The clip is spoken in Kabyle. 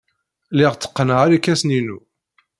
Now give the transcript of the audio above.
Lliɣ tteqqneɣ irkasen-inu.